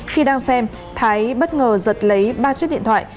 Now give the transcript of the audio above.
khi đang xem thái bất ngờ giật lấy ba chiếc điện thoại